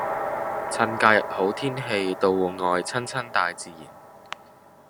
趁假日好天氣到戶外親親大自然